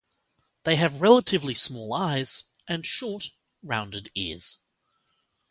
They have relatively small eyes and short rounded ears.